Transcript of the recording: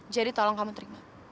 jadi tolong kamu terima